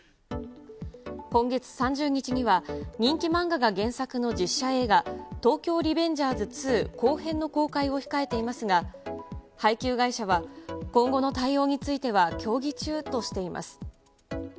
今月３０日には、人気漫画が原作の実写映画、東京リベンジャーズ２後編の公開を控えていますが、配給会社は、今後の対応については協議中としています。